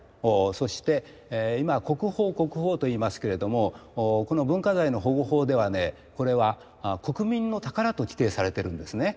そして今国宝国宝といいますけれどもこの文化財の保護法ではねこれは国民の宝と規定されてるんですね。